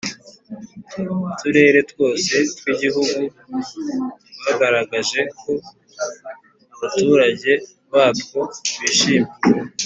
uturere twose tw igihugu twagaragaje ko abaturage batwo bishimye